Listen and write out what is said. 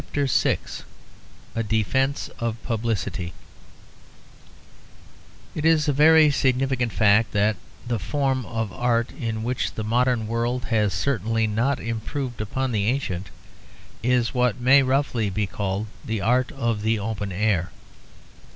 A DEFENCE OF PUBLICITY It is a very significant fact that the form of art in which the modern world has certainly not improved upon the ancient is what may roughly be called the art of the open air.